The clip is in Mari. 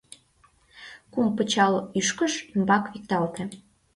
Кум пычал ӱшкыж ӱмбак викталте.